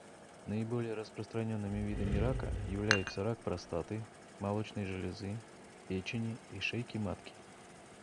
Наиболее распространенными видами рака являются рак простаты, молочной железы, печени и шейки матки.